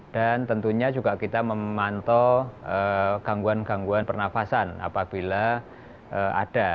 dan tentunya juga kita memantau gangguan gangguan pernafasan apabila ada